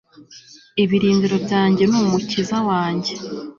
ibirindiro byanjye n'umukiza wanjye